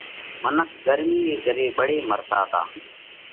منک ڳرمِي ري ڪري ٻۯي مرتا تا۔